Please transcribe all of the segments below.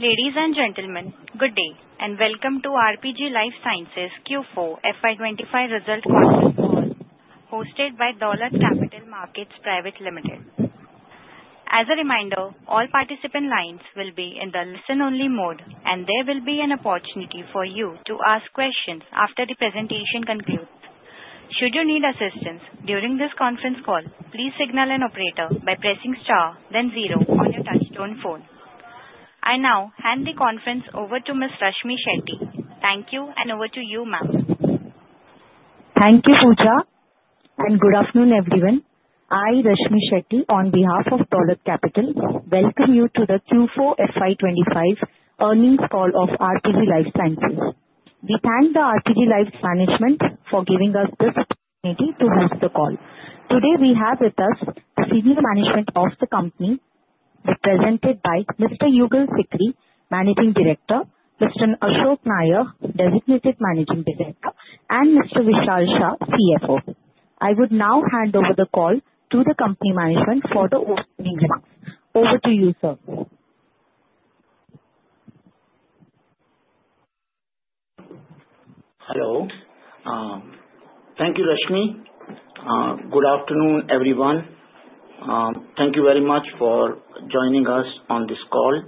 Ladies and gentlemen, good day and welcome to RPG Life Sciences Q4 FY25 Results Quarterly Call, hosted by Dolat Capital Markets Private Limited. As a reminder, all participant lines will be in the listen-only mode, and there will be an opportunity for you to ask questions after the presentation concludes. Should you need assistance during this conference call, please signal an operator by pressing star, then zero on your touch-tone phone. I now hand the conference over to Ms. Rashmi Shetty. Thank you, and over to you, ma'am. Thank you, Pooja, and good afternoon, everyone. I, Rashmi Shetty, on behalf of Dolat Capital, welcome you to the Q4 FY25 earnings call of RPG Life Sciences. We thank the RPG Life Management for giving us this opportunity to host the call. Today, we have with us the senior management of the company, represented by Mr. Yugal Sikri, Managing Director, Mr. Ashok Nair, Designated Managing Director, and Mr. Vishal Shah, CFO. I would now hand over the call to the company management for the opening remarks. Over to you, sir. Hello. Thank you, Rashmi. Good afternoon, everyone. Thank you very much for joining us on this call.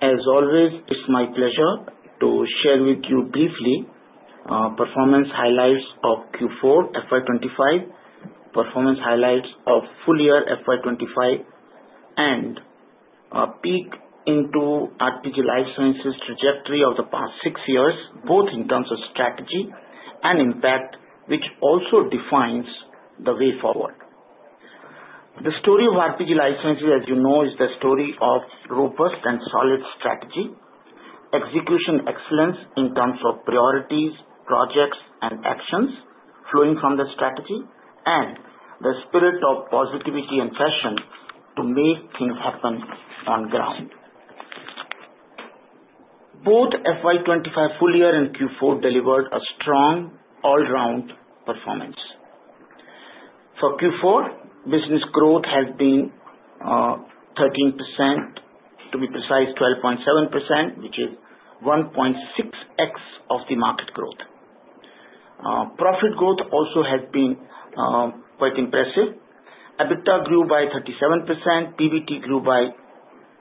As always, it's my pleasure to share with you briefly performance highlights of Q4 FY25, performance highlights of full year FY25, and a peek into RPG Life Sciences' trajectory of the past six years, both in terms of strategy and impact, which also defines the way forward. The story of RPG Life Sciences, as you know, is the story of robust and solid strategy, execution excellence in terms of priorities, projects, and actions flowing from the strategy, and the spirit of positivity and passion to make things happen on ground. Both FY25 full year and Q4 delivered a strong, all-round performance. For Q4, business growth has been 13%, to be precise, 12.7%, which is 1.6x of the market growth. Profit growth also has been quite impressive. EBITDA grew by 37%, PBT grew by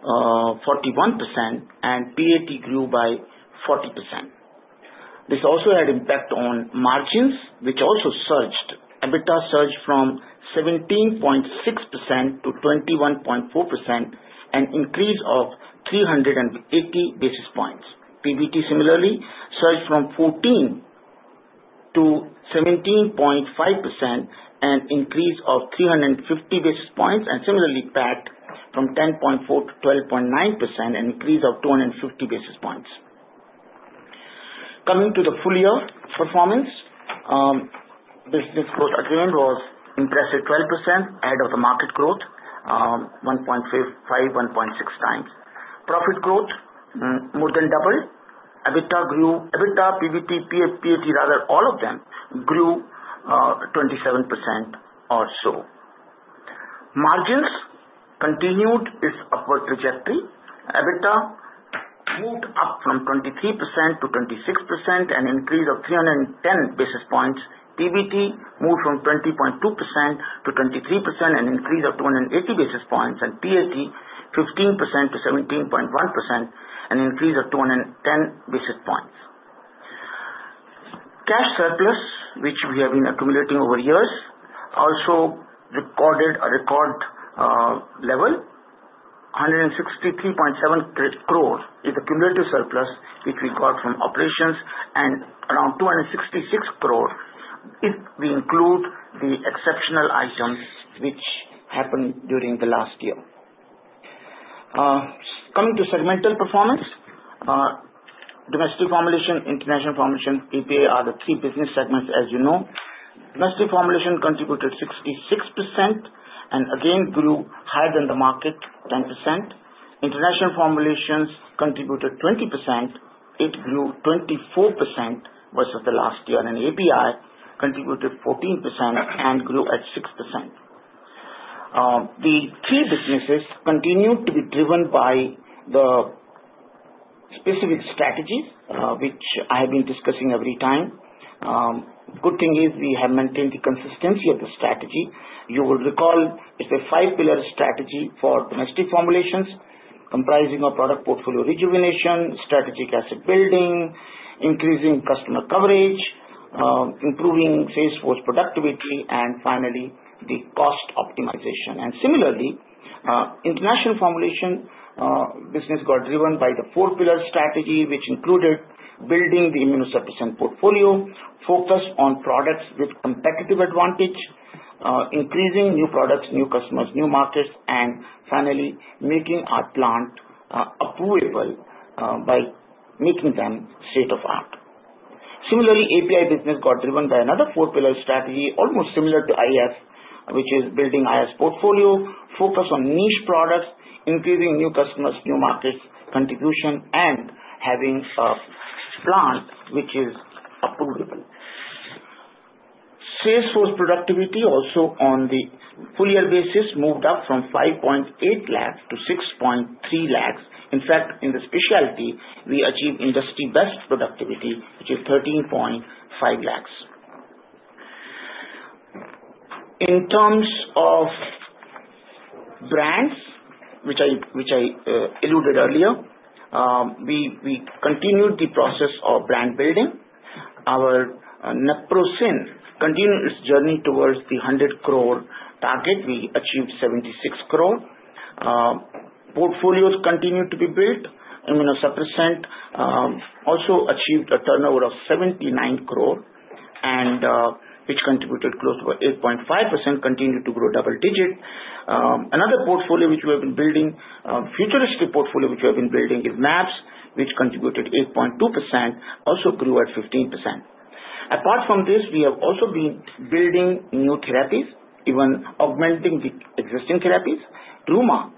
41%, and PAT grew by 40%. This also had impact on margins, which also surged. EBITDA surged from 17.6%-21.4%, an increase of 380 basis points. PBT similarly surged from 14%-17.5%, an increase of 350 basis points, and similarly PAT from 10.4%-12.9%, an increase of 250 basis points. Coming to the full year performance, business growth again was impressive: 12% ahead of the market growth, 1.5-1.6 times. Profit growth more than doubled. EBITDA, PBT, PAT, rather, all of them grew 27% or so. Margins continued its upward trajectory. EBITDA moved up from 23%-26%, an increase of 310 basis points. PBT moved from 20.2%-23%, an increase of 280 basis points, and PAT 15%-17.1%, an increase of 210 basis points. Cash surplus, which we have been accumulating over years, also recorded a record level: 163.7 crore is the cumulative surplus which we got from operations, and around 266 crore if we include the exceptional items which happened during the last year. Coming to segmental performance, domestic formulation, international formulation, API are the three business segments, as you know. Domestic formulation contributed 66% and again grew higher than the market, 10%. International formulations contributed 20%. It grew 24% versus the last year, and API contributed 14% and grew at 6%. The three businesses continued to be driven by the specific strategies, which I have been discussing every time. Good thing is we have maintained the consistency of the strategy. You will recall it's a five-pillar strategy for domestic formulations, comprising of product portfolio rejuvenation, strategic asset building, increasing customer coverage, improving sales force productivity, and finally, the cost optimization. Similarly, international formulation business got driven by the four-pillar strategy, which included building the immunosuppressant portfolio, focus on products with competitive advantage, increasing new products, new customers, new markets, and finally, making our plant approvable by making them state-of-the-art. Similarly, API business got driven by another four-pillar strategy, almost similar to IS, which is building IS portfolio, focus on niche products, increasing new customers, new markets, contribution, and having a plant which is approvable. Sales force productivity also on the full year basis moved up from 5.8 lakhs to 6.3 lakhs. In fact, in the specialty, we achieved industry-best productivity, which is 13.5 lakhs. In terms of brands, which I alluded earlier, we continued the process of brand building. Our Naprosyn continued its journey towards the 100 crore target. We achieved 76 crore. Portfolios continued to be built. Immunosuppressant also achieved a turnover of 79 crore, which contributed close to 8.5%, continued to grow double-digit. Another portfolio which we have been building, a futuristic portfolio which we have been building, is mAbs, which contributed 8.2%, also grew at 15%. Apart from this, we have also been building new therapies, even augmenting the existing therapies. Trauma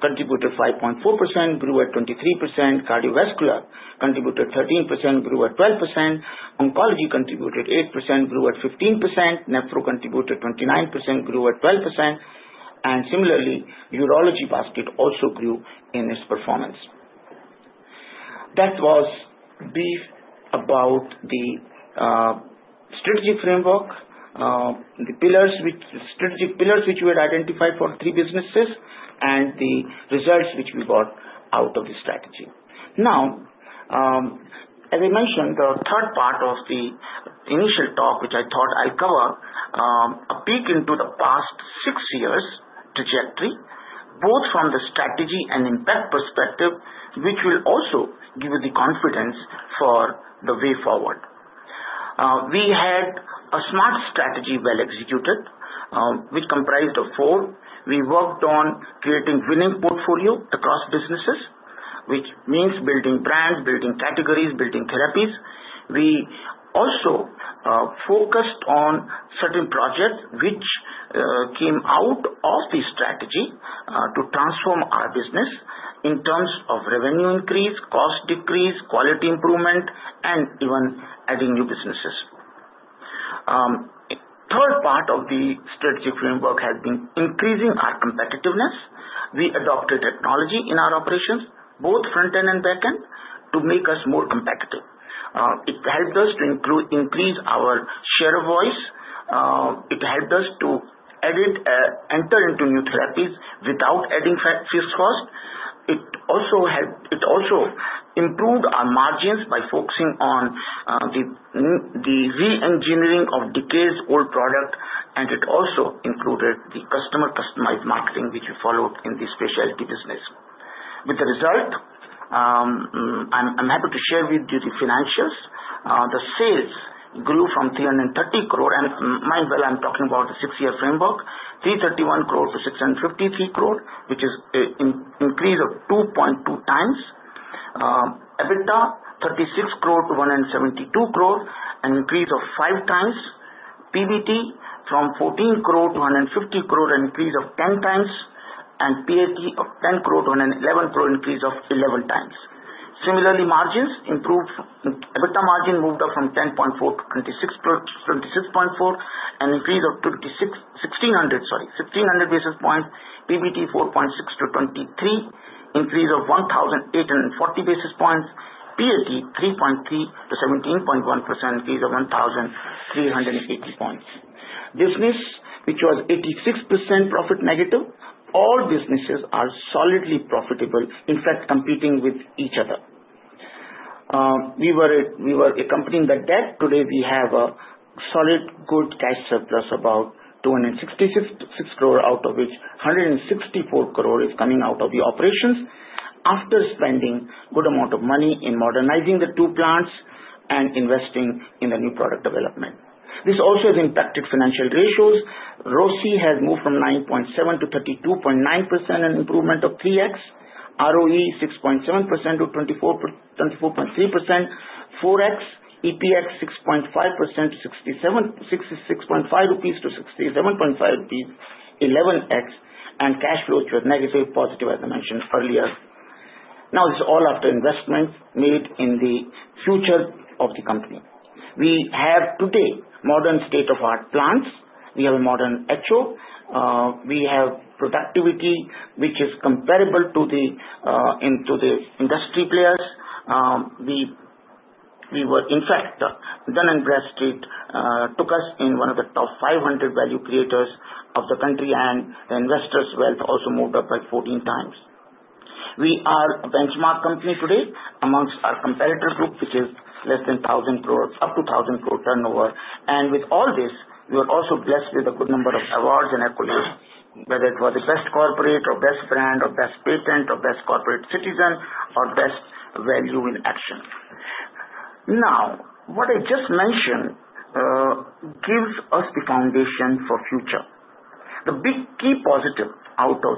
contributed 5.4%, grew at 23%. Cardiovascular contributed 13%, grew at 12%. Oncology contributed 8%, grew at 15%. Nephro contributed 29%, grew at 12%. And similarly, urology basket also grew in its performance. That was brief about the strategy framework, the strategic pillars which we had identified for the three businesses, and the results which we got out of the strategy. Now, as I mentioned, the third part of the initial talk, which I thought I'll cover, a peek into the past six years' trajectory, both from the strategy and impact perspective, which will also give you the confidence for the way forward. We had a smart strategy well executed, which comprised of four. We worked on creating a winning portfolio across businesses, which means building brands, building categories, building therapies. We also focused on certain projects which came out of the strategy to transform our business in terms of revenue increase, cost decrease, quality improvement, and even adding new businesses. The third part of the strategic framework has been increasing our competitiveness. We adopted technology in our operations, both front-end and back-end, to make us more competitive. It helped us to increase our share of voice. It helped us to enter into new therapies without adding fixed cost. It also improved our margins by focusing on the re-engineering of decades-old product, and it also included the customer-customized marketing, which we followed in the specialty business. With the result, I'm happy to share with you the financials. The sales grew from 330 crore, and mind you, I'm talking about the six-year framework, 331 crore to 653 crore, which is an increase of 2.2 times. EBITDA, 36 crore to 172 crore, an increase of 5 times. PBT from 14 crore to 150 crore, an increase of 10 times, and PAT of 10 crore to 111 crore, an increase of 11 times. Similarly, margins improved. EBITDA margin moved up from 10.4%-26.4%, an increase of 1600 basis points. PBT 4.6%-23%, an increase of 1,840 basis points. PAT 3.3%-17.1%, an increase of 1,380 points. Business which was 86% profit negative. All businesses are solidly profitable, in fact, competing with each other. We were a company in debt. Today, we have a solid, good cash surplus of about 266 crore, out of which 164 crore is coming out of the operations after spending a good amount of money in modernizing the two plants and investing in the new product development. This also has impacted financial ratios. ROCE has moved from 9.7 to 32.9%, an improvement of 3x. ROE 6.7%-24.3%, 4x. EPS 6.5%-66.5 rupees to 67.5 rupees, 11x, and cash flow, which was negative, positive, as I mentioned earlier. Now, this is all after investments made in the future of the company. We have, today, modern state-of-the-art plants. We have a modern H.O. We have productivity, which is comparable to the industry players. In fact, Dun & Bradstreet took us in one of the top 500 value creators of the country, and the investors' wealth also moved up by 14 times. We are a benchmark company today amongst our competitor group, which is less than 1,000 crore, up to 1,000 crore turnover. And with all this, we were also blessed with a good number of awards and accolades, whether it was the best corporate, or best brand, or best patent, or best corporate citizen, or best value in action. Now, what I just mentioned gives us the foundation for the future. The big key positive out of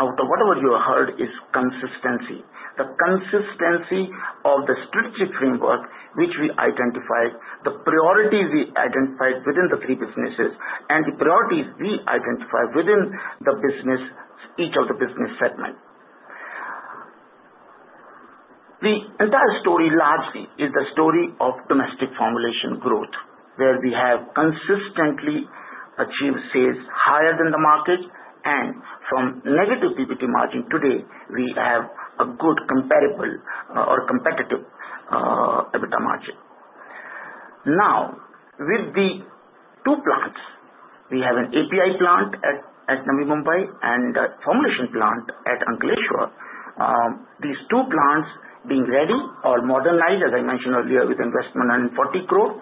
whatever you have heard is consistency. The consistency of the strategic framework, which we identified, the priorities we identified within the three businesses, and the priorities we identified within each of the business segments. The entire story largely is the story of domestic formulation growth, where we have consistently achieved sales higher than the market, and from negative PBT margin today, we have a good comparable or competitive EBITDA margin. Now, with the two plants, we have an API plant at Navi Mumbai and a formulation plant at Ankleshwar. These two plants being ready or modernized, as I mentioned earlier, with investment of 140 crore.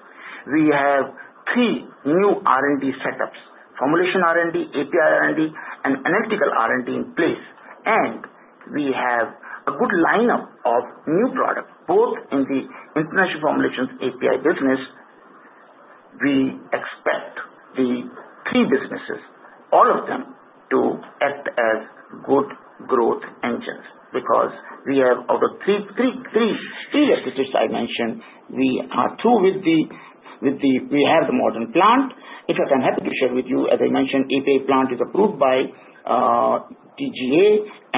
We have three new R&D setups: formulation R&D, API R&D, and analytical R&D in place. We have a good lineup of new products, both in the international formulations API business. We expect the three businesses, all of them, to act as good growth engines because we have, of the three key exclusives I mentioned, we are through with the modern plant. In fact, I'm happy to share with you, as I mentioned, the API plant is approved by TGA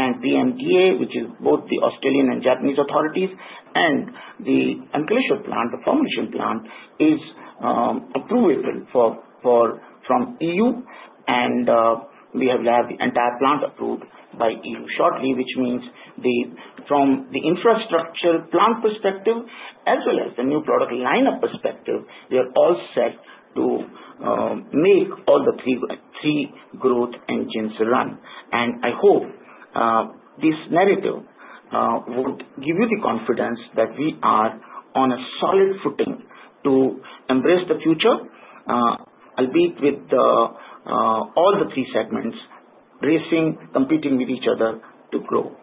and PMDA, which is both the Australian and Japanese authorities, and the Ankleshwar plant, the formulation plant, is approved by EU, and we have the entire plant approved by EU shortly, which means from the infrastructure plant perspective, as well as the new product lineup perspective, we are all set to make all the three growth engines run. I hope this narrative would give you the confidence that we are on a solid footing to embrace the future, albeit with all the three segments racing, competing with each other to grow.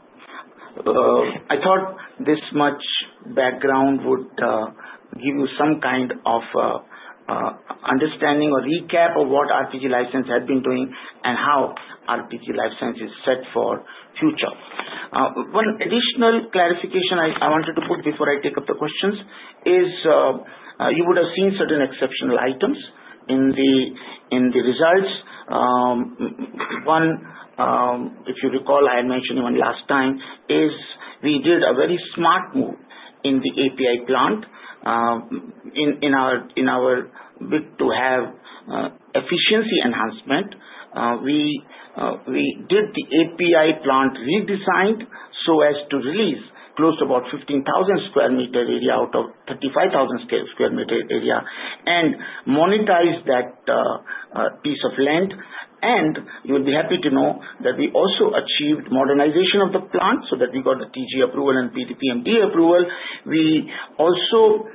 I thought this much background would give you some kind of understanding or recap of what RPG Life Sciences had been doing and how RPG Life Sciences is set for future. One additional clarification I wanted to put before I take up the questions is you would have seen certain exceptional items in the results. One, if you recall, I had mentioned even last time is we did a very smart move in the API plant. In our bid to have efficiency enhancement, we did the API plant redesigned so as to release close to about 15,000 sq m area out of 35,000 sq m area and monetize that piece of land, and you would be happy to know that we also achieved modernization of the plant so that we got the TGA approval and PMDA approval. We also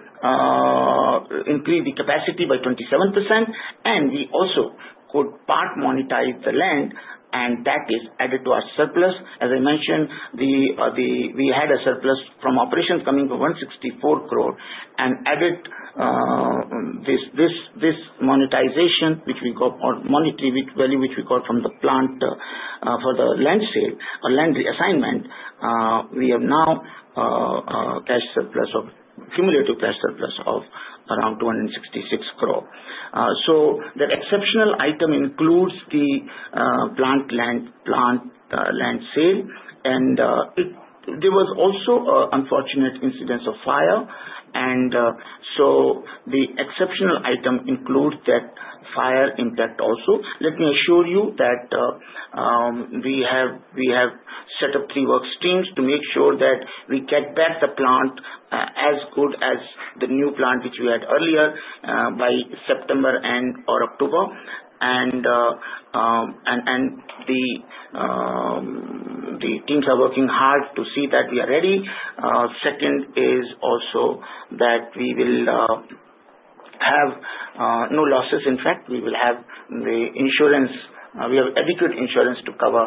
increased the capacity by 27%, and we also could part monetize the land, and that is added to our surplus. As I mentioned, we had a surplus from operations coming from 164 crore and added this monetization, which we got or monetary value, which we got from the plant for the land sale or land reassignment. We have now a cash surplus of cumulative cash surplus of around 266 crore. So that exceptional item includes the plant land sale, and there was also an unfortunate incident of fire, and so the exceptional item includes that fire impact also. Let me assure you that we have set up three work streams to make sure that we get back the plant as good as the new plant which we had earlier by September and/or October, and the teams are working hard to see that we are ready. Second is also that we will have no losses. In fact, we will have the insurance. We have adequate insurance to cover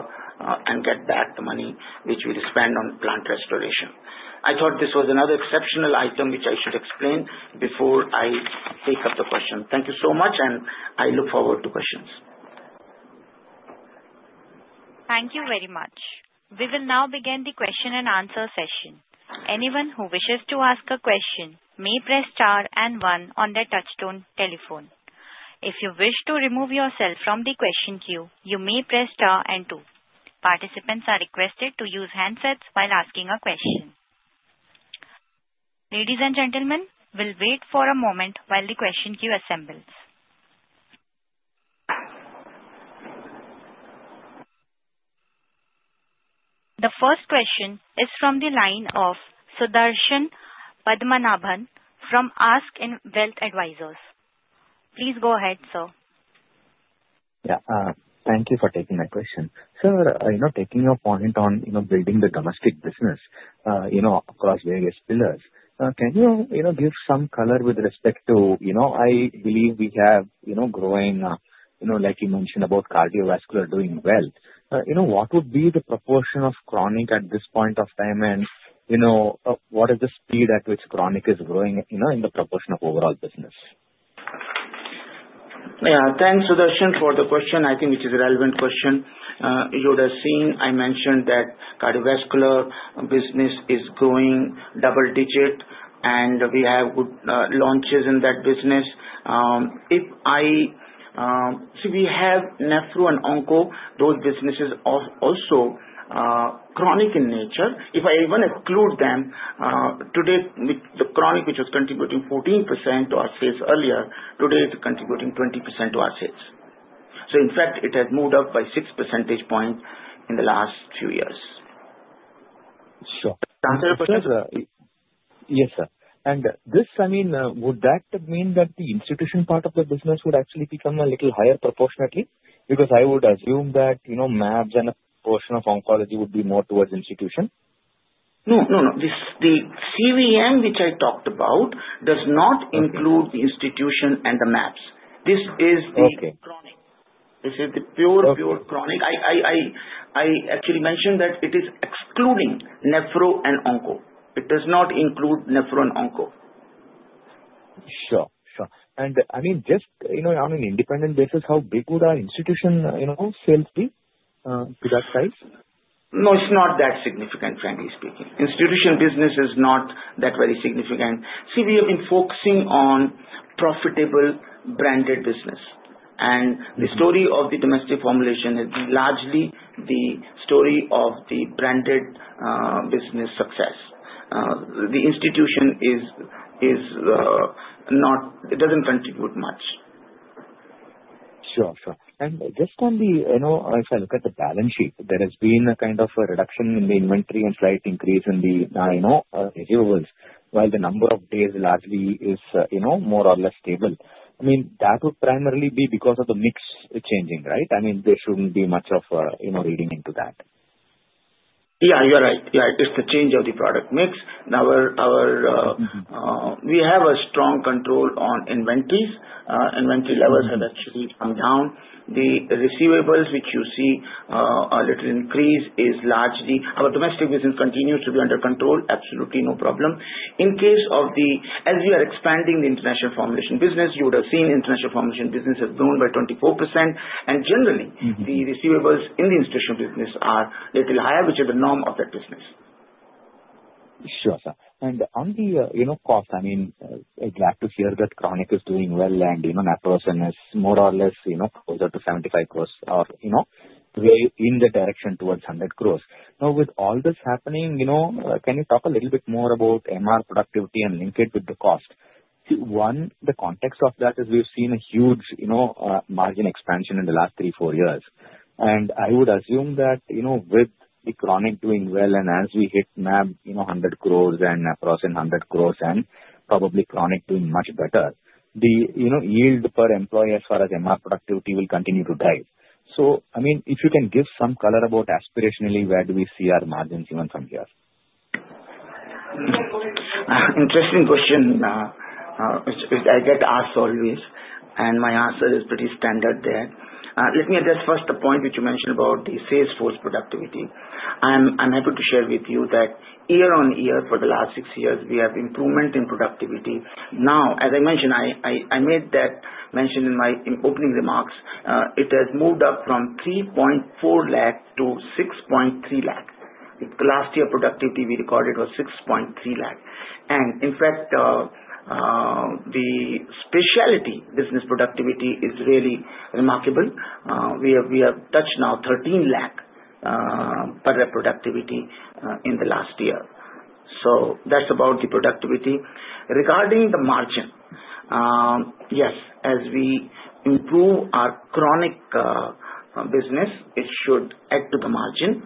and get back the money which we will spend on plant restoration. I thought this was another exceptional item which I should explain before I take up the question. Thank you so much, and I look forward to questions. Thank you very much. We will now begin the question and answer session. Anyone who wishes to ask a question may press star and one on their touch-tone telephone. If you wish to remove yourself from the question queue, you may press star and two. Participants are requested to use handsets while asking a question. Ladies and gentlemen, we'll wait for a moment while the question queue assembles. The first question is from the line of Sudarshan Padmanabhan from ASK Wealth Advisors. Please go ahead, sir. Yeah. Thank you for taking my question. Sir, taking your point on building the domestic business across various pillars, can you give some color with respect to I believe we have growing, like you mentioned about cardiovascular doing well. What would be the proportion of chronic at this point of time, and what is the speed at which chronic is growing in the proportion of overall business? Yeah. Thanks, Sudarshan, for the question. I think it is a relevant question. You would have seen I mentioned that cardiovascular business is growing double-digit, and we have good launches in that business. See, we have Nephro and Onco, those businesses are also chronic in nature. If I even exclude them, today, the chronic which was contributing 14% to our sales earlier, today is contributing 20% to our sales. So, in fact, it has moved up by 6 percentage points in the last few years. Sure. Answer your question? Yes, sir. And this, I mean, would that mean that the institution part of the business would actually become a little higher proportionately? Because I would assume that mAbs and a portion of oncology would be more towards institution. No, no, no. The CVM, which I talked about, does not include the institutional and the mAbs. This is the chronic. This is the pure, pure chronic. I actually mentioned that it is excluding Nephro and Onco. It does not include Nephro and Onco. Sure, sure. And I mean, just on an independent basis, how big would our institutional sales be to that size? No, it's not that significant, frankly speaking. Institutional business is not that very significant. See, we have been focusing on profitable branded business, and the story of the domestic formulation has been largely the story of the branded business success. It doesn't contribute much. Sure, sure. And just on that, if I look at the balance sheet, there has been a kind of a reduction in the inventory and slight increase in the receivables, while the number of days largely is more or less stable. I mean, that would primarily be because of the mix changing, right? I mean, there shouldn't be much reading into that. Yeah, you're right. Yeah. It's the change of the product mix. We have a strong control on inventories. Inventory levels have actually come down. The receivables which you see a little increase is largely our domestic business continues to be under control. Absolutely no problem. In case of the APIs, as we are expanding the international formulation business, you would have seen international formulation business has grown by 24%, and generally, the receivables in the institutional business are a little higher, which is the norm of that business. Sure, sir. And on the cost, I mean, glad to hear that chronic is doing well, and Naprosyn is more or less closer to 75 crores or in the direction towards 100 crores. Now, with all this happening, can you talk a little bit more about MR productivity and link it with the cost? See, one, the context of that is we've seen a huge margin expansion in the last three, four years. And I would assume that with the chronic doing well, and as we hit mAbs 100 crores and Naprosyn 100 crores, and probably chronic doing much better, the yield per employee as far as MR productivity will continue to dive. So, I mean, if you can give some color about aspirationally where do we see our margins even from here. Interesting question, which I get asked always, and my answer is pretty standard there. Let me address first the point which you mentioned about the sales force productivity. I'm happy to share with you that year on year, for the last six years, we have improvement in productivity. Now, as I mentioned, I made that mention in my opening remarks. It has moved up from 3.4 lakh to 6.3 lakh. The last year productivity we recorded was 6.3 lakh. And in fact, the specialty business productivity is really remarkable. We have touched now 13 lakh per representative in the last year. So that's about the productivity. Regarding the margin, yes, as we improve our chronic business, it should add to the margin.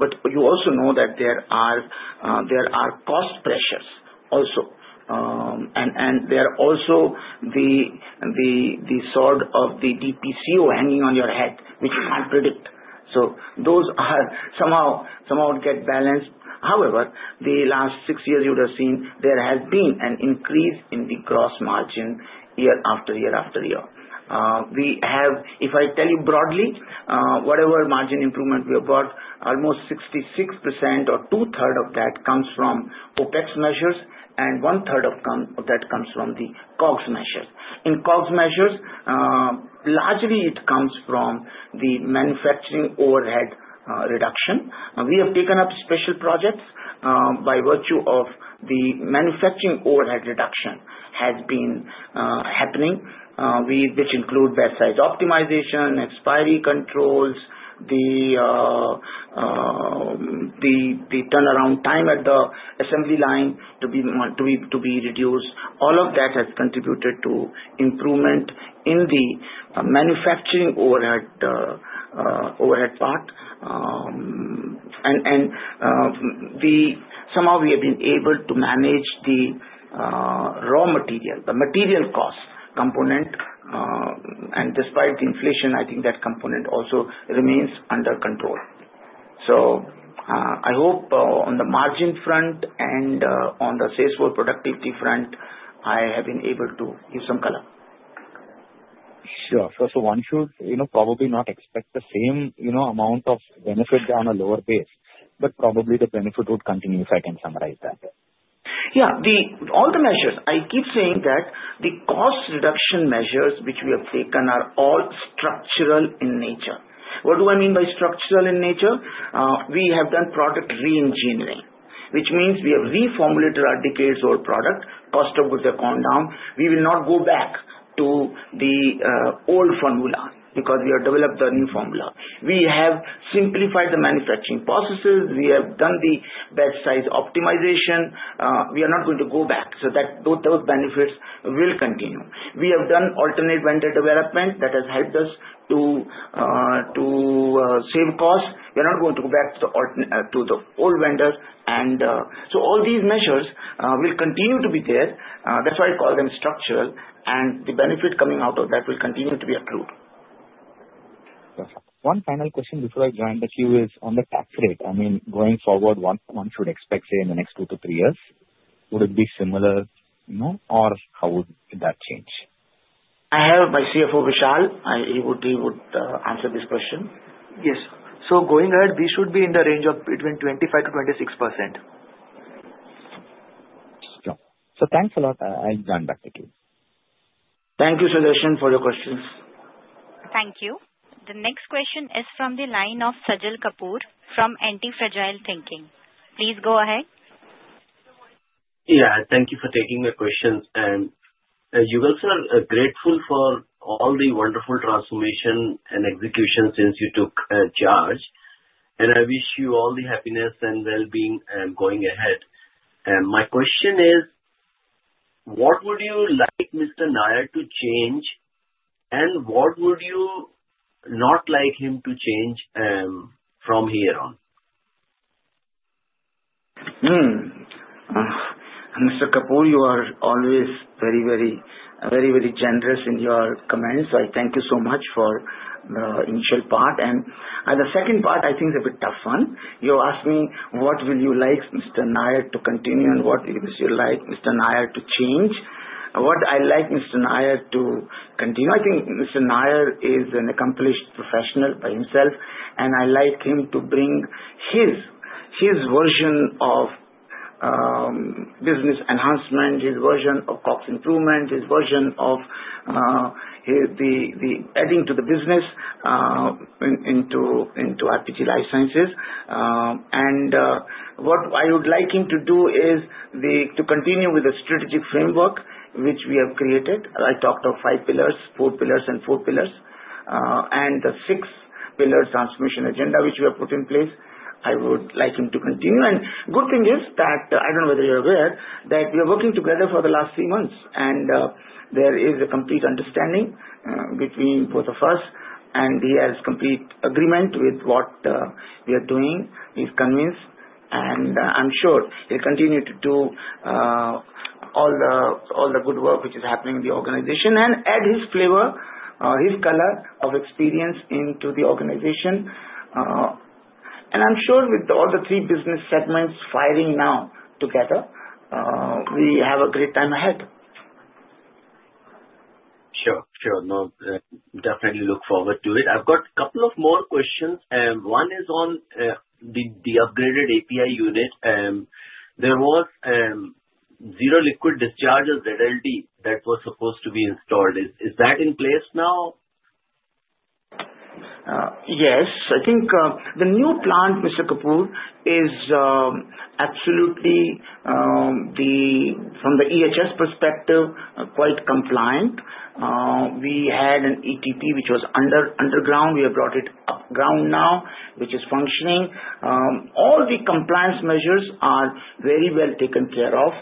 But you also know that there are cost pressures also, and there are also the sword of the DPCO hanging on your head, which you can't predict. So those somehow get balanced. However, the last six years, you would have seen there has been an increase in the gross margin year after year after year. If I tell you broadly, whatever margin improvement we have got, almost 66% or two-thirds of that comes from OPEX measures, and one-third of that comes from the COGS measures. In COGS measures, largely it comes from the manufacturing overhead reduction. We have taken up special projects by virtue of the manufacturing overhead reduction has been happening, which include batch size optimization, expiry controls, the turnaround time at the assembly line to be reduced. All of that has contributed to improvement in the manufacturing overhead part. And somehow, we have been able to manage the raw material, the material cost component. And despite the inflation, I think that component also remains under control. I hope on the margin front and on the sales force productivity front, I have been able to give some color. Sure. So one should probably not expect the same amount of benefit on a lower base, but probably the benefit would continue if I can summarize that. Yeah. All the measures, I keep saying that the cost reduction measures which we have taken are all structural in nature. What do I mean by structural in nature? We have done product re-engineering, which means we have reformulated our decades-old product. Cost of goods have gone down. We will not go back to the old formula because we have developed a new formula. We have simplified the manufacturing processes. We have done the batch size optimization. We are not going to go back so that those benefits will continue. We have done alternate vendor development that has helped us to save costs. We are not going to go back to the old vendor. And so all these measures will continue to be there. That's why I call them structural, and the benefit coming out of that will continue to be accrued. One final question before I join the queue is on the tax rate. I mean, going forward, one should expect, say, in the next two to three years, would it be similar or how would that change? I have my CFO, Vishal. He would answer this question. Yes. So going ahead, we should be in the range of between 25%-26%. Sure. So thanks a lot. I'll join back the queue. Thank you, Sudarshan, for your questions. Thank you. The next question is from the line of Sajal Kapoor from Antifragile Thinking. Please go ahead. Yeah. Thank you for taking my questions, and you guys are grateful for all the wonderful transformation and execution since you took charge, and I wish you all the happiness and well-being going ahead. My question is, what would you like Mr. Nair to change, and what would you not like him to change from here on? Mr. Kapoor, you are always very, very generous in your comments. So, I thank you so much for the initial part. And the second part, I think, is a bit tough one. You asked me, what will you like Mr. Nair to continue, and what would you like Mr. Nair to change? What I like Mr. Nair to continue, I think Mr. Nair is an accomplished professional by himself, and I like him to bring his version of business enhancement, his version of COGS improvement, his version of the adding to the business into RPG Life Sciences. And what I would like him to do is to continue with the strategic framework which we have created. I talked of five pillars, four pillars, and four pillars, and the six-pillar transformation agenda which we have put in place. I would like him to continue. And the good thing is that I don't know whether you're aware that we are working together for the last three months, and there is a complete understanding between both of us, and he has complete agreement with what we are doing. He's convinced, and I'm sure he'll continue to do all the good work which is happening in the organization and add his flavor, his color of experience into the organization. And I'm sure with all the three business segments firing now together, we have a great time ahead. Sure, sure. No, definitely look forward to it. I've got a couple of more questions. One is on the upgraded API unit. There was zero liquid discharge of ZLD that was supposed to be installed. Is that in place now? Yes. I think the new plant, Mr. Kapoor, is absolutely from the EHS perspective, quite compliant. We had an ETP which was underground. We have brought it above ground now, which is functioning. All the compliance measures are very well taken care of,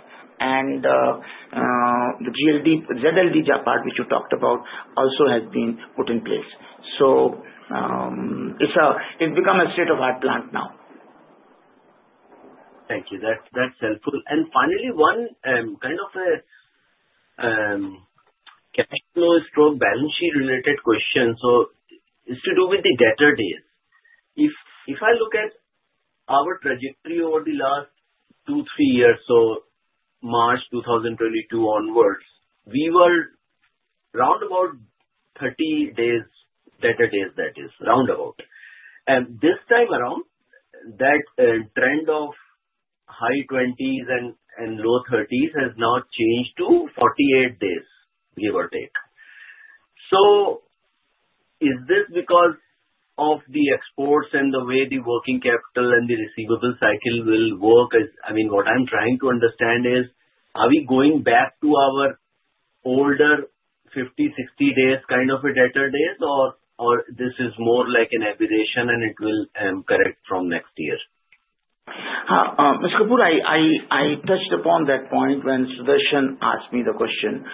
and the ZLD part which you talked about also has been put in place. So it's become a state-of-the-art plant now. Thank you. That's helpful. And finally, one kind of a cash flow stroke balance sheet-related question. So it's to do with the debtor days. If I look at our trajectory over the last two, three years, so March 2022 onwards, we were round about 30 days, debtor days, that is, round about. And this time around, that trend of high 20s and low 30s has now changed to 48 days, give or take. So is this because of the exports and the way the working capital and the receivable cycle will work? I mean, what I'm trying to understand is, are we going back to our older 50, 60 days kind of debtor days, or this is more like an aberration, and it will correct from next year? Mr. Kapoor, I touched upon that point when Sudarshan asked me the question.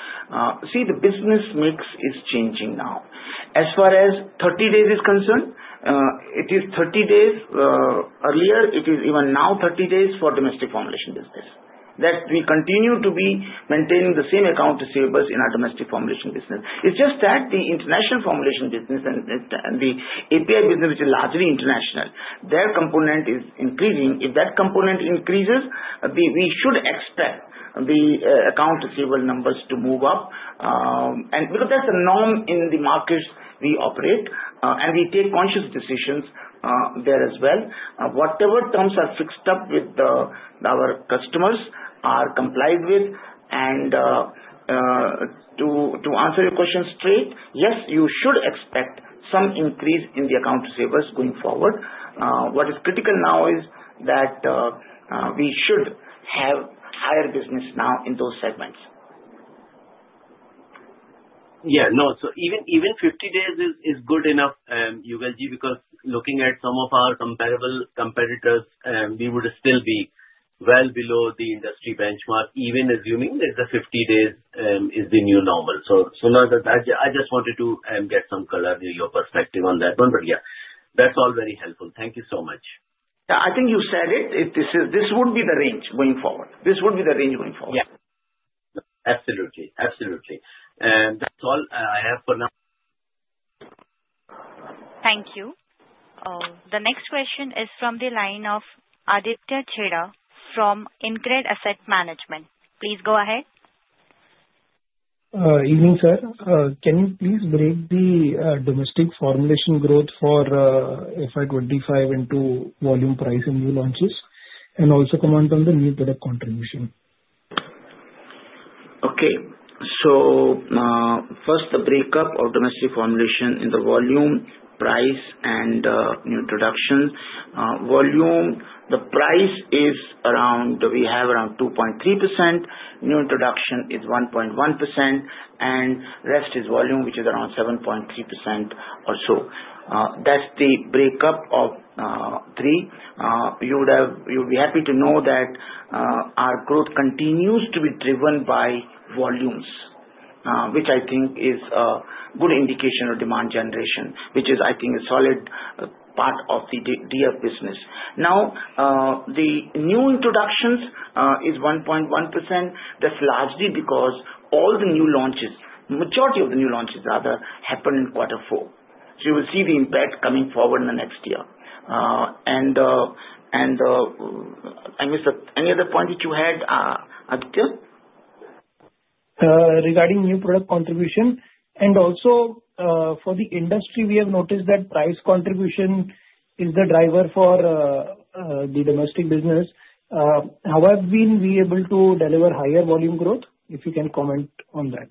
See, the business mix is changing now. As far as 30 days is concerned, it is 30 days earlier. It is even now 30 days for domestic formulation business. We continue to be maintaining the same accounts receivable in our domestic formulation business. It's just that the international formulation business and the API business, which is largely international, their component is increasing. If that component increases, we should expect the accounts receivable numbers to move up because that's the norm in the markets we operate, and we take conscious decisions there as well. Whatever terms are fixed up with our customers are complied with. And to answer your question straight, yes, you should expect some increase in the accounts receivable going forward. What is critical now is that we should have higher business now in those segments. Yeah. No, so even 50 days is good enough, ULG, because looking at some of our comparable competitors, we would still be well below the industry benchmark, even assuming that the 50 days is the new normal. So I just wanted to get some color in your perspective on that one. But yeah, that's all very helpful. Thank you so much. Yeah, I think you said it. This would be the range going forward. This would be the range going forward. Yeah. Absolutely. Absolutely. That's all I have for now. Thank you. The next question is from the line of Aditya Chheda from InCred Asset Management. Please go ahead. Evening, sir. Can you please break the domestic formulation growth for FY25 into volume price in new launches and also comment on the new product contribution? Okay. So first, the breakup of domestic formulation in the volume, price, and new introduction. Volume, the price is around; we have around 2.3%. New introduction is 1.1%, and rest is volume, which is around 7.3% or so. That's the breakup of three. You would be happy to know that our growth continues to be driven by volumes, which I think is a good indication of demand generation, which is, I think, a solid part of the DF business. Now, the new introductions is 1.1%. That's largely because all the new launches, majority of the new launches rather, happen in quarter four. So you will see the impact coming forward in the next year. And I missed any other point which you had, Aditya? Regarding new product contribution, and also for the industry, we have noticed that price contribution is the driver for the domestic business. How have we been able to deliver higher volume growth? If you can comment on that.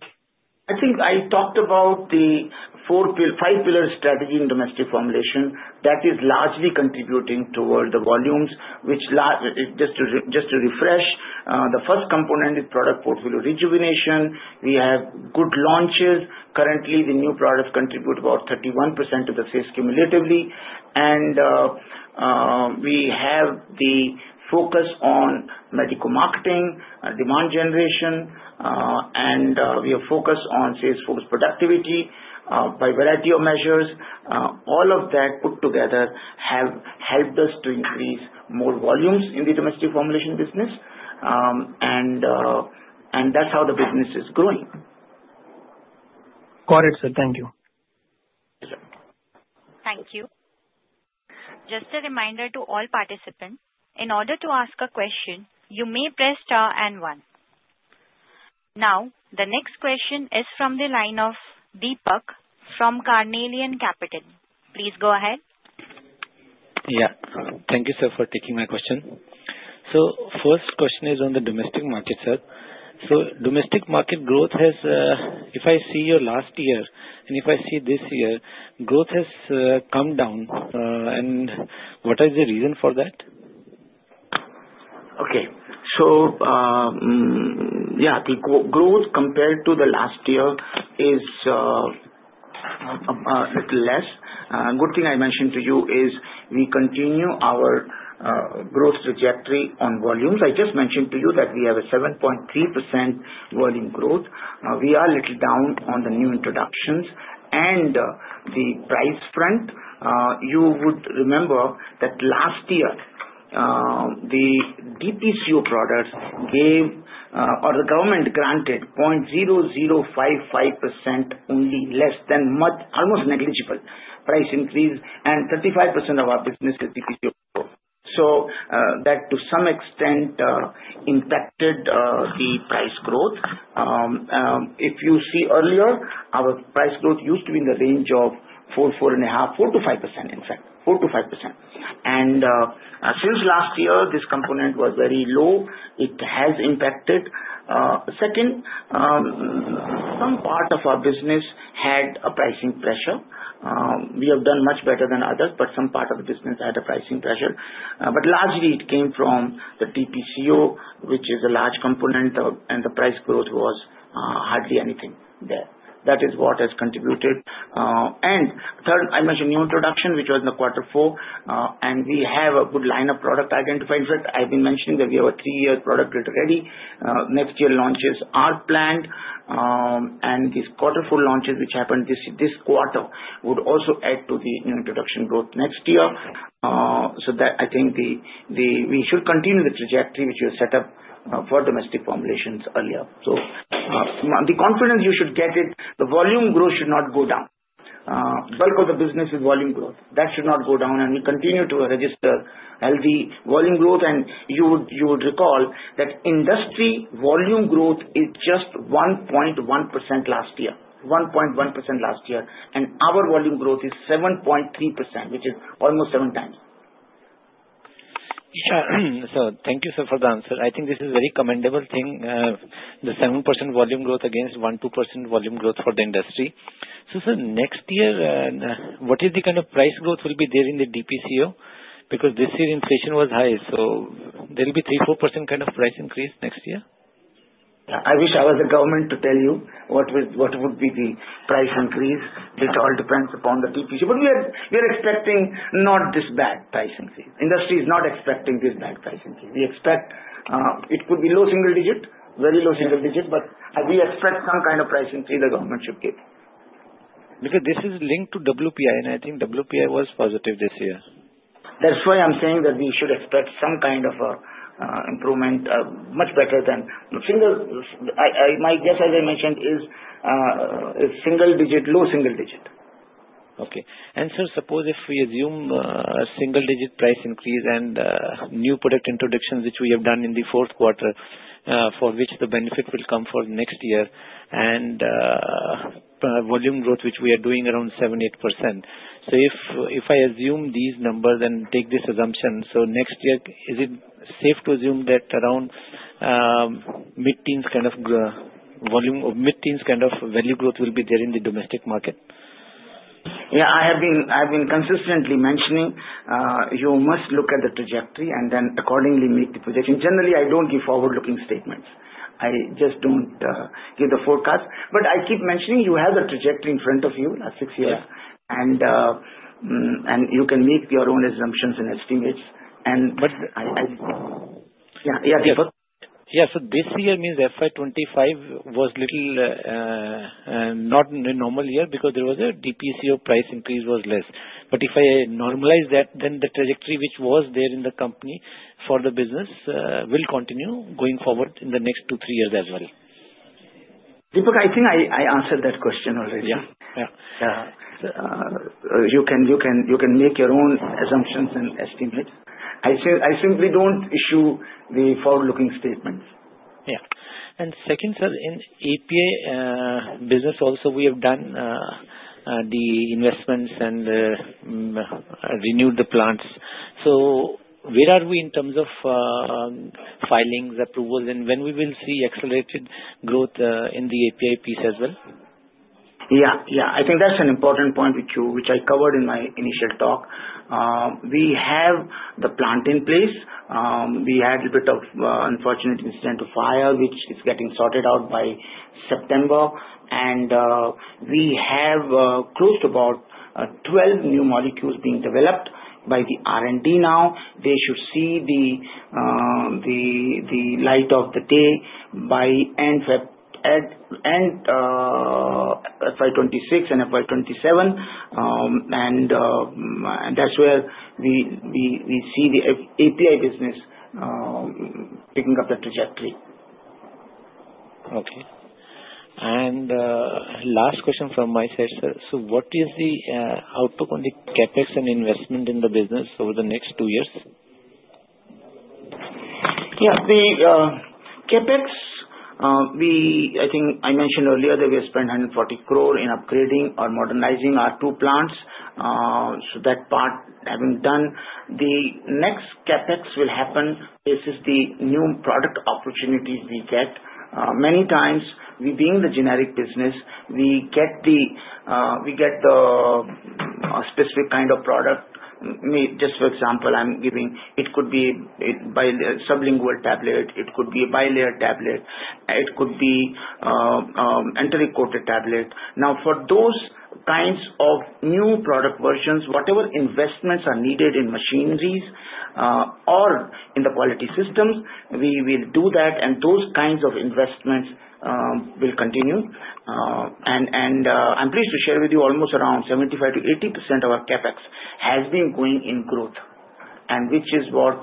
I think I talked about the five-pillar strategy in domestic formulation that is largely contributing toward the volumes, which just to refresh, the first component is product portfolio rejuvenation. We have good launches. Currently, the new products contribute about 31% of the sales cumulatively. And we have the focus on medical marketing, demand generation, and we have focus on sales force productivity by variety of measures. All of that put together have helped us to increase more volumes in the domestic formulation business, and that's how the business is growing. Got it, sir. Thank you. Thank you. Just a reminder to all participants, in order to ask a question, you may press star and one. Now, the next question is from the line of Deepak from Carnelian Capital. Please go ahead. Yeah. Thank you, sir, for taking my question. So first question is on the domestic market, sir. So domestic market growth has, if I see your last year and if I see this year, growth has come down. And what is the reason for that? Okay. So yeah, the growth compared to the last year is a little less. Good thing I mentioned to you is we continue our growth trajectory on volumes. I just mentioned to you that we have a 7.3% volume growth. We are a little down on the new introductions. And the price front, you would remember that last year, the DPCO products gave or the government granted 0.0055% only, less than almost negligible price increase, and 35% of our business is DPCO. So that to some extent impacted the price growth. If you see earlier, our price growth used to be in the range of four, four and a half, four to five%, in fact, four to five%. And since last year, this component was very low. It has impacted. Second, some part of our business had a pricing pressure. We have done much better than others, but some part of the business had a pricing pressure. But largely, it came from the DPCO, which is a large component, and the price growth was hardly anything there. That is what has contributed. And third, I mentioned new introduction, which was in quarter four, and we have a good line of product identified. In fact, I've been mentioning that we have a three-year product ready. Next year launches are planned, and these quarter four launches which happened this quarter would also add to the new introduction growth next year. So I think we should continue the trajectory which we have set up for domestic formulations earlier. So the confidence you should get is the volume growth should not go down. Bulk of the business is volume growth. That should not go down, and we continue to register healthy volume growth. You would recall that industry volume growth is just 1.1% last year, and our volume growth is 7.3%, which is almost seven times. Yeah. So thank you, sir, for the answer. I think this is a very commendable thing, the 7% volume growth against 1%-2% volume growth for the industry. So sir, next year, what is the kind of price growth will be there in the DPCO? Because this year, inflation was high, so there will be 3%-4% kind of price increase next year? I wish I was the government to tell you what would be the price increase. It all depends upon the DPCO, but we are expecting not this bad price increase. Industry is not expecting this bad price increase. We expect it could be low single digit, very low single digit, but we expect some kind of price increase the government should give. Because this is linked to WPI, and I think WPI was positive this year. That's why I'm saying that we should expect some kind of improvement, much better than my guess, as I mentioned, is single digit, low single digit. Okay. And, sir, suppose if we assume a single-digit price increase and new product introduction, which we have done in the fourth quarter, for which the benefit will come for next year, and volume growth, which we are doing around 7%-8%. So if I assume these numbers and take this assumption, so next year, is it safe to assume that around mid-teens kind of volume or mid-teens kind of value growth will be there in the domestic market? Yeah. I have been consistently mentioning you must look at the trajectory and then accordingly make the projection. Generally, I don't give forward-looking statements. I just don't give the forecast, but I keep mentioning you have a trajectory in front of you at six years, and you can make your own assumptions and estimates, and yeah, Deepak. Yeah. So this year means FY25 was a little not a normal year because there was a DPCO price increase was less. But if I normalize that, then the trajectory which was there in the company for the business will continue going forward in the next two, three years as well. Deepak, I think I answered that question already. Yeah. Yeah. You can make your own assumptions and estimates. I simply don't issue the forward-looking statements. Yeah. And second, sir, in API business also, we have done the investments and renewed the plants. So where are we in terms of filings, approvals, and when we will see accelerated growth in the API piece as well? Yeah. Yeah. I think that's an important point which I covered in my initial talk. We have the plant in place. We had a bit of unfortunate incident of fire, which is getting sorted out by September, and we have close to about 12 new molecules being developed by the R&D now. They should see the light of the day by end FY26 and FY27, and that's where we see the API business picking up the trajectory. Okay. And last question from my side, sir. So what is the outlook on the CapEx and investment in the business over the next two years? Yeah. The CapEx, I think I mentioned earlier that we have spent 140 crore in upgrading or modernizing our two plants. So that part having done, the next CapEx will happen basis the new product opportunities we get. Many times, we being the generic business, we get the specific kind of product. Just for example, I'm giving, it could be a sublingual tablet, it could be a bilayer tablet, it could be an enteric coated tablet. Now, for those kinds of new product versions, whatever investments are needed in machineries or in the quality systems, we will do that, and those kinds of investments will continue. And I'm pleased to share with you almost around 75%-80% of our CapEx has been going in growth, and which is what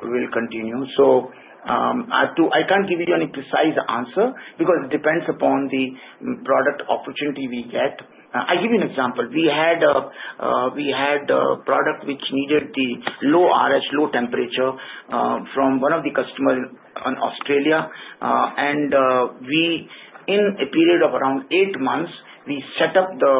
will continue. So I can't give you any precise answer because it depends upon the product opportunity we get. I'll give you an example. We had a product which needed the low RH, low temperature from one of the customers in Australia, and in a period of around eight months, we set up the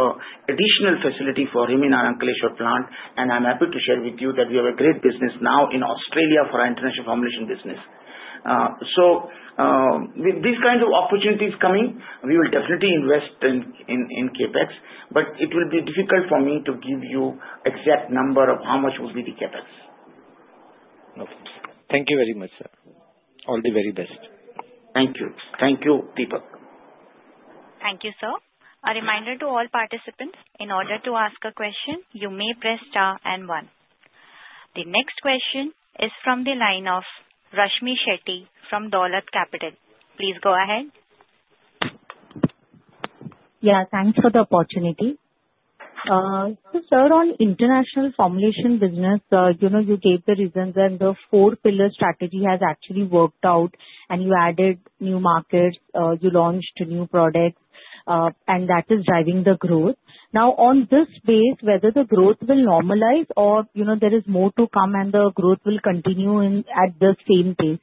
additional facility for him in our Ankleshwar plant, and I'm happy to share with you that we have a great business now in Australia for our international formulation business. So with these kinds of opportunities coming, we will definitely invest in CapEx, but it will be difficult for me to give you exact number of how much will be the CapEx. Okay. Thank you very much, sir. All the very best. Thank you. Thank you, Deepak. Thank you, sir. A reminder to all participants, in order to ask a question, you may press star and one. The next question is from the line of Rashmi Shetty from Dolat Capital. Please go ahead. Yeah. Thanks for the opportunity. So, sir, on international formulation business, you gave the reasons that the four-pillar strategy has actually worked out, and you added new markets, you launched new products, and that is driving the growth. Now, on this base, whether the growth will normalize or there is more to come and the growth will continue at the same pace?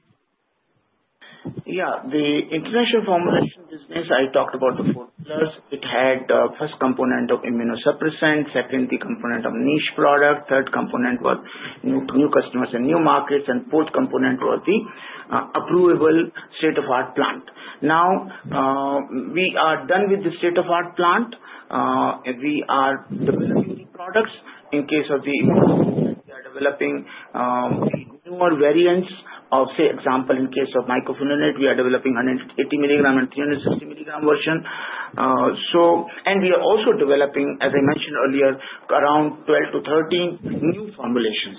Yeah. The international formulation business, I talked about the four pillars. It had the first component of immunosuppressant, second, the component of niche product, third component was new customers and new markets, and fourth component was the approvable state-of-the-art plant. Now, we are done with the state-of-the-art plant. We are developing products. In case of the immunology, we are developing the newer variants of, say, example, in case of mycophenolate, we are developing 180 milligram and 360 milligram version. And we are also developing, as I mentioned earlier, around 12 to 13 new formulations.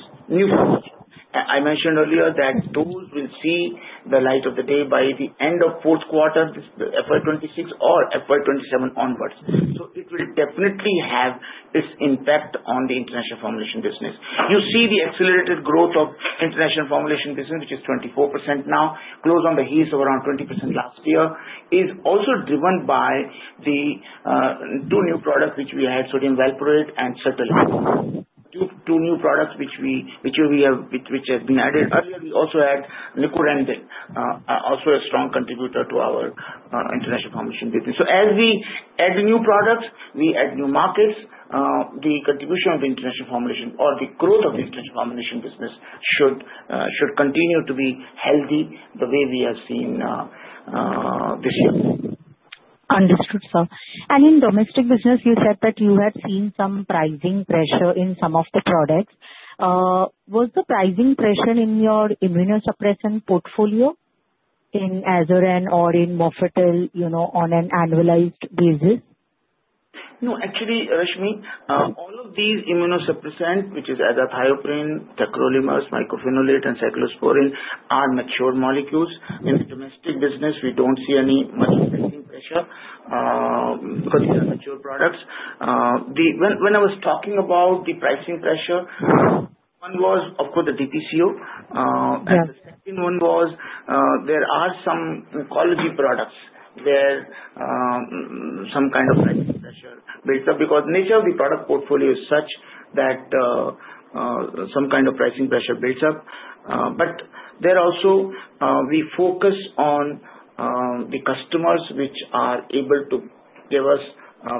I mentioned earlier that those will see the light of day by the end of fourth quarter, FY26 or FY27 onwards. So it will definitely have its impact on the international formulation business. You see the accelerated growth of international formulation business, which is 24% now, close on the heels of around 20% last year, is also driven by the two new products which we had, Sodium Valproate and Sertraline. Two new products which have been added earlier. We also had Nicorandil and also a strong contributor to our international formulation business. So as we add new products, we add new markets, the contribution of the international formulation or the growth of the international formulation business should continue to be healthy the way we have seen this year. Understood, sir. And in domestic business, you said that you had seen some pricing pressure in some of the products. Was the pricing pressure in your immunosuppressant portfolio in Azoran or in Mofetyl on an annualized basis? No. Actually, Rashmi, all of these immunosuppressant, which is azathioprine, tacrolimus, mycophenolate, and cyclosporine, are mature molecules. In the domestic business, we don't see any much pricing pressure because these are mature products. When I was talking about the pricing pressure, one was, of course, the DPCO, and the second one was there are some oncology products where some kind of pricing pressure builds up because the nature of the product portfolio is such that some kind of pricing pressure builds up. But there also, we focus on the customers which are able to give us,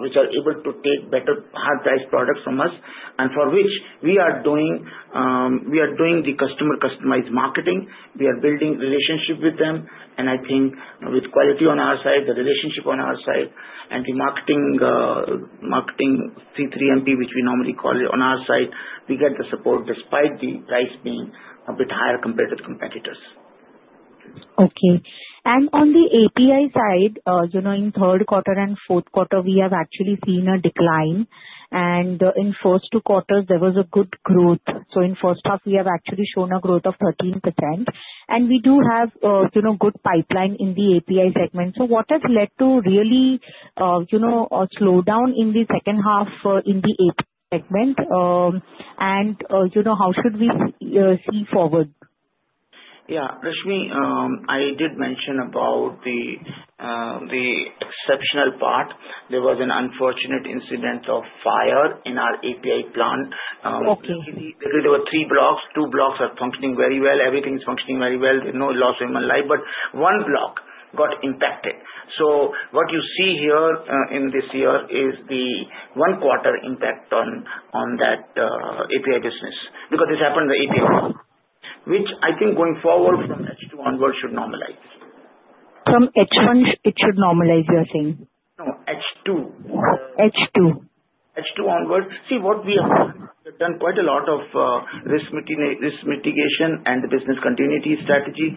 which are able to take better hard-priced products from us, and for which we are doing the customer customized marketing. We are building relationship with them, and I think with quality on our side, the relationship on our side, and the marketing CDM, which we normally call it, on our side, we get the support despite the price being a bit higher compared to the competitors. Okay. And on the API side, in third quarter and fourth quarter, we have actually seen a decline, and in first two quarters, there was a good growth. So in first half, we have actually shown a growth of 13%, and we do have a good pipeline in the API segment. So what has led to really a slowdown in the second half in the API segment, and how should we see forward? Yeah. Rashmi, I did mention about the exceptional part. There was an unfortunate incident of fire in our API plant. There were three blocks. Two blocks are functioning very well. Everything is functioning very well. There's no loss of human life, but one block got impacted. So what you see here in this year is the one-quarter impact on that API business because this happened in the API, which I think going forward from H2 onward should normalize. From H1, it should normalize, you are saying? No. H2. H2. H2 onward. See, what we have done quite a lot of risk mitigation and the business continuity strategy.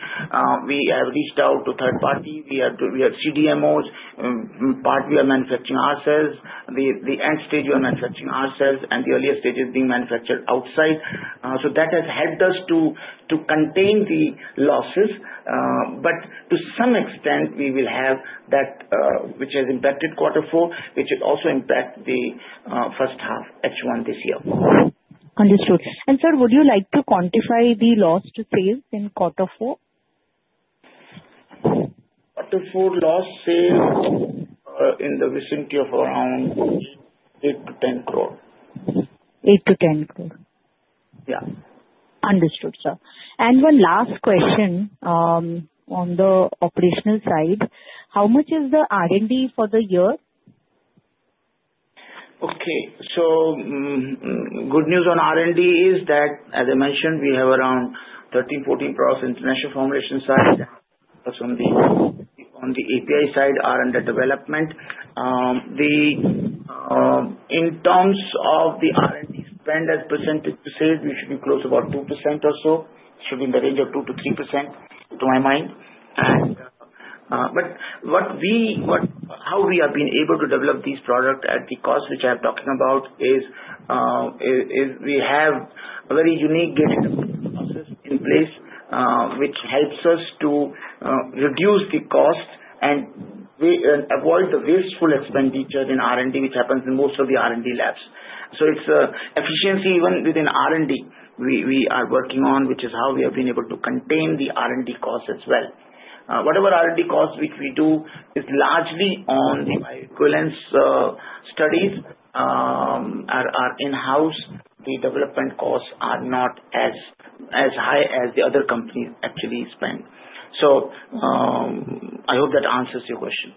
We have reached out to third party. We have CDMOs. Part we are manufacturing ourselves. The end stage we are manufacturing ourselves, and the earlier stage is being manufactured outside. So that has helped us to contain the losses, but to some extent, we will have that which has impacted quarter four, which will also impact the first half, H1, this year. Understood. And sir, would you like to quantify the lost sales in quarter four? Quarter four lost sales in the vicinity of around 8-10 crore. 8-10 crore. Yeah. Understood, sir. And one last question on the operational side. How much is the R&D for the year? Okay. Good news on R&D is that, as I mentioned, we have around 13, 14 projects on the international formulation side. On the API side, R&D development. In terms of the R&D spend as a percentage of sales, we should be close to about 2% or so. It should be in the range of 2%-3% to my mind. But how we have been able to develop these products at the cost which I'm talking about is we have a very unique process in place, which helps us to reduce the cost and avoid the wasteful expenditure in R&D, which happens in most of the R&D labs. So it's efficiency even within R&D we are working on, which is how we have been able to contain the R&D costs as well. Whatever R&D costs which we do is largely on the bioequivalence studies, which are in-house. The development costs are not as high as the other companies actually spend. So I hope that answers your question.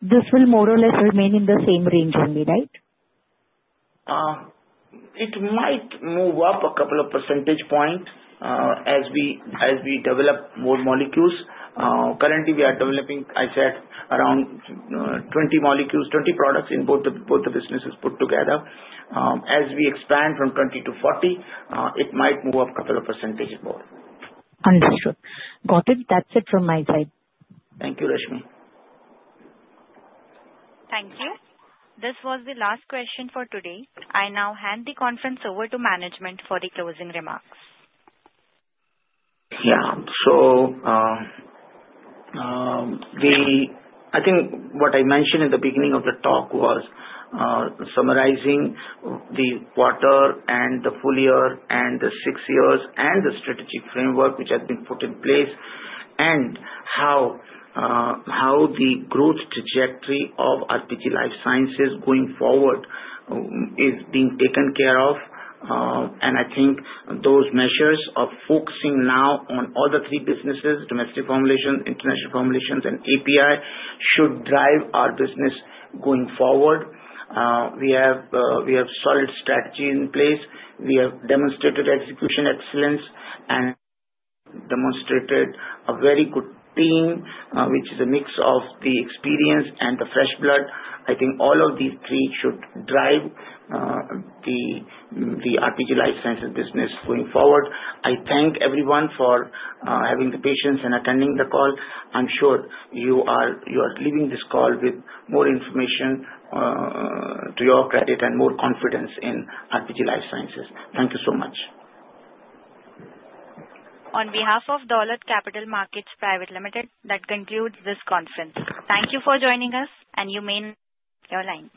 This will more or less remain in the same range only, right? It might move up a couple of percentage points as we develop more molecules. Currently, we are developing, I said, around 20 molecules, 20 products in both the businesses put together. As we expand from 20 to 40, it might move up a couple of percentage more. Understood. Got it. That's it from my side. Thank you, Rashmi. Thank you. This was the last question for today. I now hand the conference over to management for the closing remarks. Yeah. So I think what I mentioned at the beginning of the talk was summarizing the quarter and the full year and the six years and the strategic framework which has been put in place and how the growth trajectory of RPG Life Sciences going forward is being taken care of. And I think those measures of focusing now on all the three businesses, domestic formulations, international formulations, and API, should drive our business going forward. We have solid strategy in place. We have demonstrated execution excellence and demonstrated a very good team, which is a mix of the experience and the fresh blood. I think all of these three should drive the RPG Life Sciences business going forward. I thank everyone for having the patience and attending the call. I'm sure you are leaving this call with more information to your credit and more confidence in RPG Life Sciences. Thank you so much. On behalf of Dolat Capital Markets Private Limited, that concludes this conference. Thank you for joining us, and you may now turn off your lines.